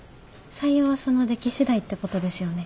採用はその出来次第ってことですよね？